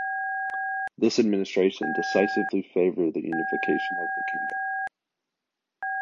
This administration decisively favored the unification of the kingdom.